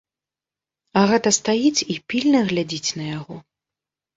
Агата стаіць і пільна глядзіць на яго.